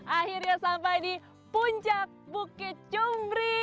akhirnya sampai di puncak bukit cumri